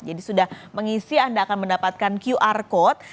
jadi sudah mengisi anda akan mendapatkan qr code